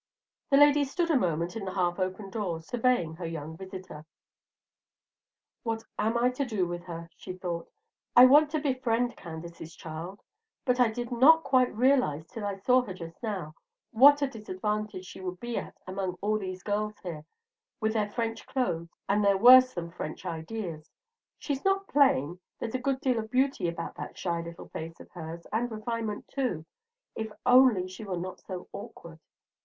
That lady stood a moment in the half open door, surveying her young visitor. "What am I to do with her?" she thought. "I want to befriend Candace's child, but I did not quite realize, till I saw her just now, what a disadvantage she would be at among all these girls here, with their French clothes and their worse than French ideas. She's not plain. There's a good deal of beauty about that shy little face of hers, and refinement too, if only she were not so awkward.